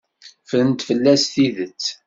Ffrent fell-as tidet.